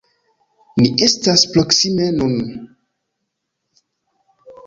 Ni estas proksime nun.